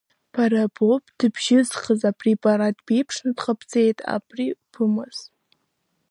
Бара боуп дыбжьызхыз абри, бара дбеиԥшны дҟабҵеит, абри бымаз!